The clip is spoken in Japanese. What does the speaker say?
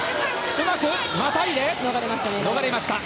うまくまたいで逃れました。